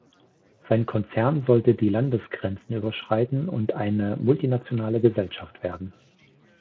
Sein Konzern sollte die Landesgrenzen überschreiten und eine multinationale Gesellschaft werden.